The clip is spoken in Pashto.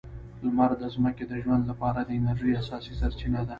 لمر د ځمکې د ژوند لپاره د انرژۍ اساسي سرچینه ده.